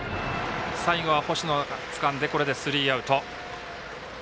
最後は星野がつかんでこれでスリーアウト。